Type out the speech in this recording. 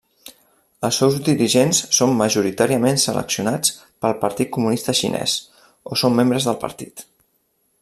Els seus dirigents són majoritàriament seleccionats pel Partit Comunista Xinès, o són membres del partit.